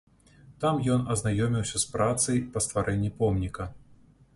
Там ён азнаёміўся з працай па стварэнні помніка.